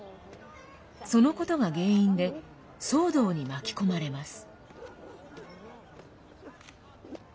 そのことが原因で騒動に巻き込まれます。